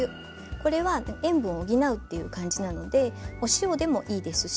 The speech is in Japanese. これは塩分を補うっていう感じなのでお塩でもいいですし。